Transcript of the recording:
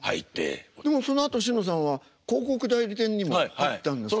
でもそのあとしのさんは広告代理店にも行ったんですか？